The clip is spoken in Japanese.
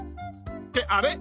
ってあれ？